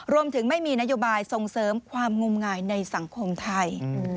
ไม่มีนโยบายส่งเสริมความงมงายในสังคมไทย